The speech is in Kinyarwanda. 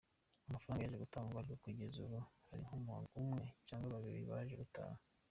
Amafaranga yaje gutangwa, ariko kugeza ubu hari nk’umuntu umwe cyangwa babiri baje gutaha.